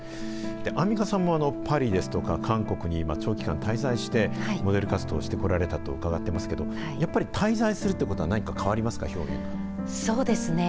アンミカさんもパリですとか、韓国に長期間滞在して、モデル活動をしてきたと伺っていますけれども、やっぱり滞在するということそうですね。